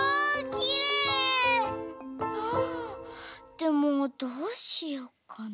でもどうしようかな。